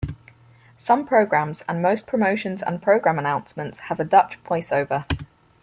Some programs and most promotions and program announcements have a Dutch voice-over.